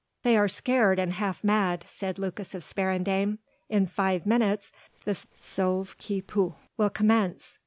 "They are scared and half mad," said Lucas of Sparendam, "in five minutes the sauve qui peut will commence."